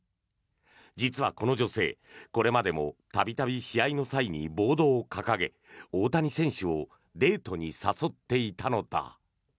実はこの女性、これまでも度々、試合の際にボードを掲げ大谷選手をデートに誘っていたのだ。